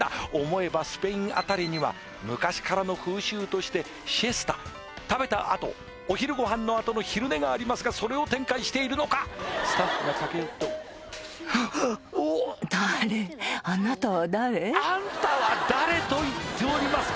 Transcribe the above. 思えばスペインあたりには昔からの風習としてシエスタ食べたあとお昼ご飯のあとの昼寝がありますがそれを展開しているのかスタッフが駆け寄るとおおっと「あんたは誰？」と言っております